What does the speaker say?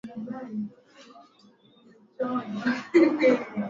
pia moran jangwani Sitini na nane Kuchanganya damu ya ngombe na maziwa inafanywa kuandaa